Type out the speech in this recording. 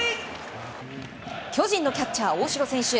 巨人のキャッチャー、大城選手。